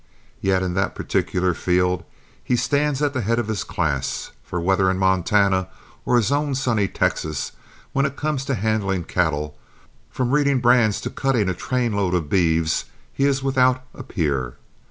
Yet in that particular field he stands at the head of his class; for whether in Montana or his own sunny Texas, when it comes to handling cattle, from reading brands to cutting a trainload of beeves, he is without a peer.